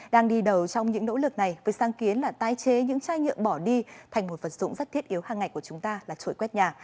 đang đi đầu trong những nỗ lực này với sáng kiến là tái chế những chai nhựa bỏ đi thành một vật dụng rất thiết yếu hàng ngày của chúng ta là trội quét nhà